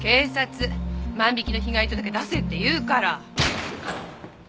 万引きの被害届出せって言うから。